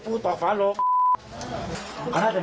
เมื่อยครับเมื่อยครับ